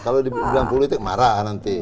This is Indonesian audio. kalau dibilang politik marah nanti